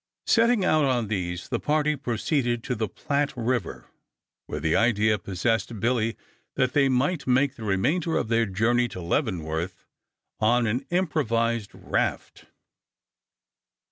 Setting out on these the party proceeded to the Platte River, where the idea possessed Billy that they might make the remainder of their journey to Leavenworth on an improvised raft.